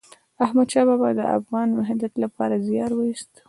احمد شاه بابا د افغان وحدت لپاره زیار وایست.